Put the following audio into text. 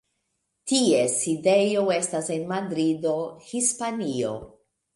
Ties sidejo estas en Madrido, Hispanio.